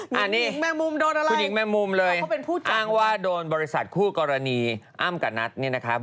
คุณหญิงแม่มุมเลยอ้างว่าโดนบริษัทคู่กรณีอ้ำกับนัด